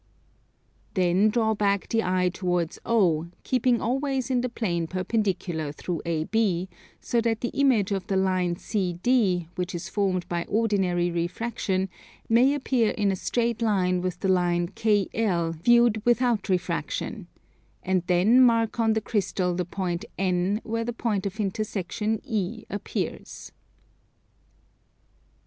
Then draw back the eye towards O, keeping always in the plane perpendicular through AB, so that the image of the line CD, which is formed by ordinary refraction, may appear in a straight line with the line KL viewed without refraction; and then mark on the Crystal the point N where the point of intersection E appears.